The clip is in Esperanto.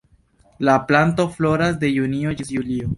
La planto floras de junio ĝis julio.